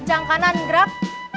kencang kanan gerak